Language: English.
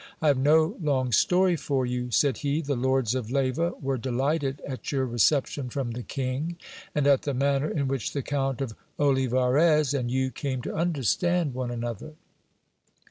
I have no long story for you, said he. The lords of Leyva were delighted at your reception from the king, and at the manner in which the Count of Olivarez and you came to understand one another.